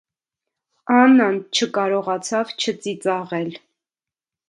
Աննան չկարողացավ չծիծաղել: